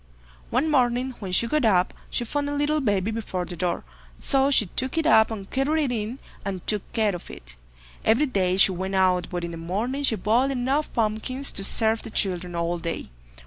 One morning when she got up, she found a little baby before the door, so she took it up and carried it in, and took care of it. Every day she went out, but in the morning she boiled enough pumpkins to serve the children all day.